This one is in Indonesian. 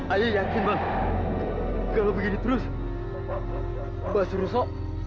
ayo yakin kalau begini terus bahwa suruh so